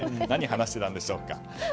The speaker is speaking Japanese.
何話してたんでしょうか。